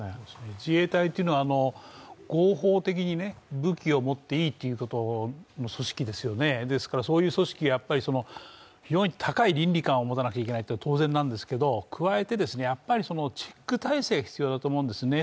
自衛隊というのは、合法的に武器を持っていいという組織ですよね、そういう組織、高い倫理観を持たないといけないのは当然なんですけれども、加えてチェック体制が必要だと思うんですね。